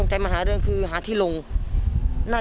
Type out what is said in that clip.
สวัสดีครับ